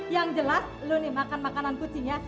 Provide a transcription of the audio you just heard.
yang jelas lu nih makan makanan kucingnya